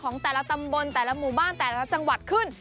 ของแต่ละตำบลแต่ละหมู่บ้านแต่ละจังหวัดขึ้น